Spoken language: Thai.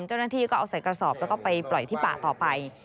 เจ้าหน้าที่ก็เอาใส่กระสอบแล้วก็ไปปล่อยที่ป่าต่อไป